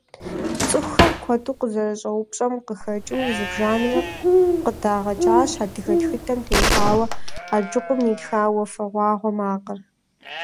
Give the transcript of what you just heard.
ЦӀыхухэр куэду къызэрыщӀэупщӀэм къыхэкӀыу зыбжанэрэ къыдагъэкӀащ адыгэ тхыдэм теухуауэ Аджыкъум итха «Уафэгъуагъуэ макъыр».